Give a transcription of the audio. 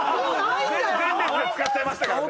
前列で使っちゃいましたからね。